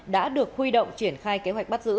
đã được huy động triển khai kế hoạch bắt giữ